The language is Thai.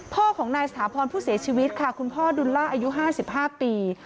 พ่อของนายสถาพรผู้เสียชีวิตค่ะคุณพ่อดุลล่าอายุ๕๕ปี